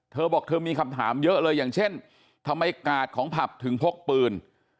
เธอบอกเธอมีคำถามเยอะเลยอย่างเช่นทำไมกาดของผับถึงพกปืน